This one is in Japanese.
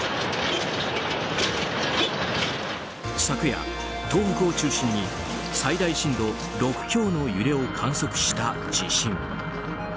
昨夜、東北を中心に最大震度６強の揺れを観測した地震。